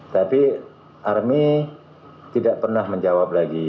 tapi army tidak pernah menjawab lagi